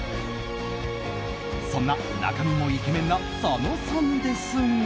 そんな中身もイケメンな佐野さんですが。